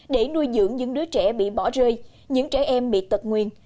hưu dưỡng những đứa trẻ bị bỏ rơi những trẻ em bị tật nguyên